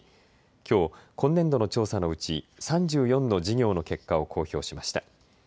きょう、今年度の調査のうち３４の事業の結果を公表しました。